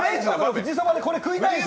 富士そばで食いたいんですよ！